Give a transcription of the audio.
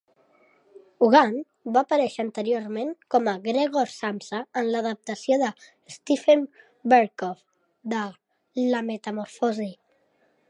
Hogan va aparèixer anteriorment com a Gregor Samsa en l'adaptació de Steven Berkoff de "La Metamorfosi".